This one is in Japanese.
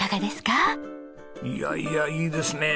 いやいやいいですねえ。